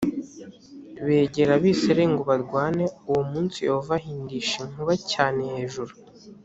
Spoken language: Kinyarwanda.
begera abisirayeli ngo barwane uwo munsi yehova ahindisha inkuba cyane hejuru